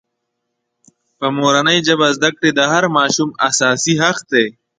په مورنۍ ژبه زدکړې د هر ماشوم اساسي حق دی.